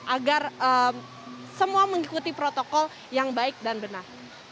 agar semua mengikuti protokol yang baik dan benar